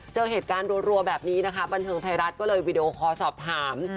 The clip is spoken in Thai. เจอเหตุการณ์รัวแบบนี้นะคะบันเทิงไทยรัฐก็เลยวีดีโอคอลสอบถาม